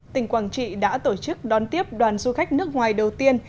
tỉnh quảng trị đã tổ chức đón tiếp đoàn du khách nước ngoài đầu tiên